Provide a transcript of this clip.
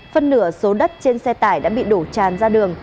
phân nửa số đất trên xe tải đã bị đổ tràn ra đường